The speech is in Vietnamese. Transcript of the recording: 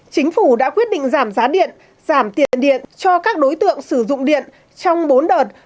chính phủ đã quyết định giảm giá điện giảm tiền điện cho các đối tượng sử dụng điện trong bốn đợt